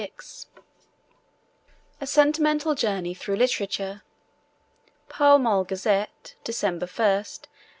] A SENTIMENTAL JOURNEY THROUGH LITERATURE (Pall Mall Gazette, December 1, 1886.)